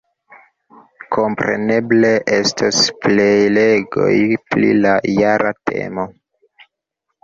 Kompreneble, estos prelegoj pri la jara temo.